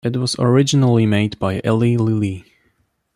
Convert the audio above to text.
It was originally made by Eli Lilly.